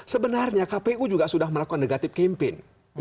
sebenarnya kpu juga sudah melakukan negatif campaign